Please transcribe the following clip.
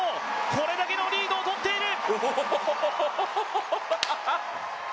これだけのリードを取っている！